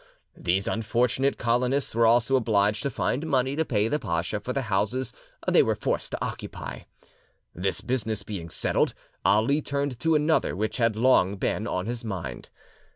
These unfortunate colonists were also obliged to find money to pay the pacha for the houses they were forced to occupy. This business being settled, Ali turned to another which had long been on his mind.